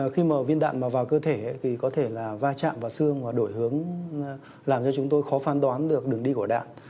khi mà viên đạn mà vào cơ thể thì có thể là va chạm vào xương và đổi hướng làm cho chúng tôi khó phán đoán được đường đi của đạn